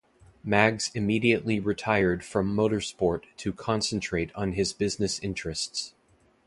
Maggs immediately retired from motor sport to concentrate on his business interests.